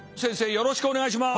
よろしくお願いします。